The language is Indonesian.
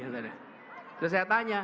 terus saya tanya